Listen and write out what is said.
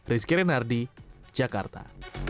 rizky renardi jakarta